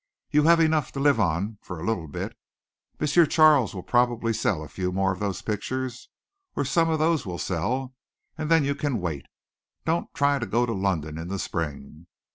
You have enough to live on for a little bit. M. Charles will probably sell a few more of those pictures, or some of those will sell and then you can wait. Don't try to go to London in the spring.